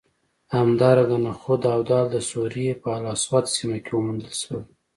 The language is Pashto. همدارنګه نخود او دال د سوریې په الاسود سیمه کې وموندل شول